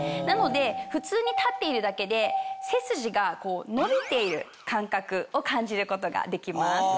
なので普通に立っているだけで背筋が伸びている感覚を感じることができます。